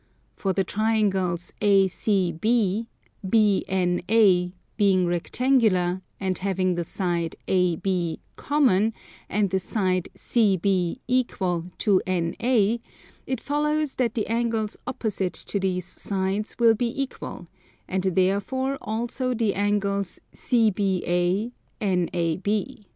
For the triangles ACB, BNA being rectangular and having the side AB common, and the side CB equal to NA, it follows that the angles opposite to these sides will be equal, and therefore also the angles CBA, NAB.